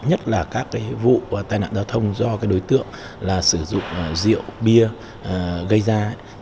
nhất là các vụ tai nạn giao thông do đối tượng sử dụng rượu bia gây ra